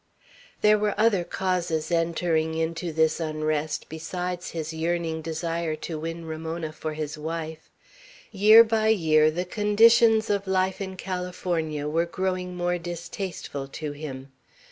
There were other causes entering into this unrest besides his yearning desire to win Ramona for his wife. Year by year the conditions of life in California were growing more distasteful to him.